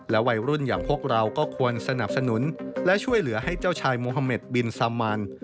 วัยรุ่นอย่างพวกเราก็ควรสนับสนุนและช่วยเหลือให้เจ้าชายโมฮาเมดบินซามัน